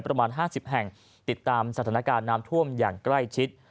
ประมาณ๕๐แห่งติดตามสถานการณ์น้ำท่วมอย่างใกล้ชิด